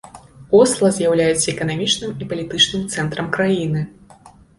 Осла з'яўляецца эканамічным і палітычным цэнтрам краіны.